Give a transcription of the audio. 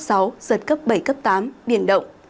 giật cấp bảy cấp tám biển động